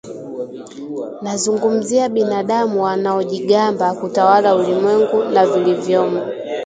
Nazungumzia binadamu wanaojigamba kutawala ulimwengu na vilivyomo